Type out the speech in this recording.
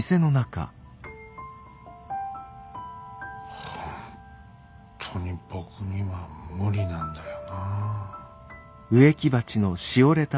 ほんっとに僕には無理なんだよなあ。